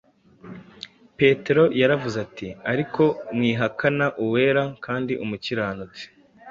Petero yaravuze ati: « Ariko mwihakana Uwera kandi Umukiranutsi,